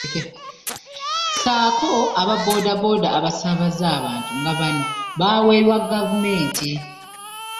Sako aba boda boda abasaabaza abantu nga bano bawerwa gavumenti.